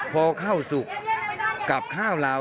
พอข้าวสุกกับข้าวเรา